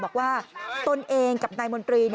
บอกว่าตนเองกับนายมนตรี